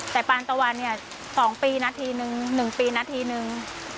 แต่ปานตะวันเนี่ย๒ปีนาทีนึง๑ปีนาทีนึง